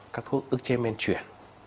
các thuốc ức chế men chuyển